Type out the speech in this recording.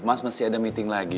mas mesti ada meeting lagi